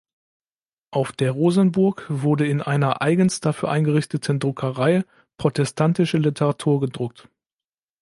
Auf der Rosenburg wurde in einer eigens dafür eingerichteten Druckerei protestantische Literatur gedruckt.